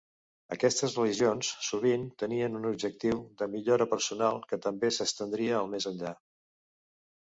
Aquestes religions sovint tenien un objectiu de millora personal, que també s'estendria al més enllà.